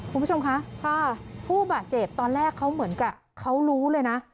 คุณผู้ชมคะผู้บาดเจ็บตอนแรกเขาเหมือนกับเขารู้เลยนะ